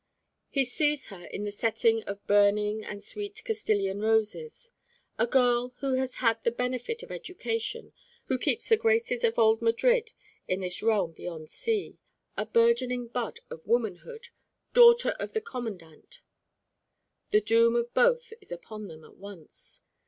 He sees her in the setting of burning and sweet Castilian roses a girl who has had the benefit of education, who keeps the graces of old Madrid in this realm beyond sea, a burgeoning bud of womanhood, daughter of the commandante. The doom of both is upon them at once.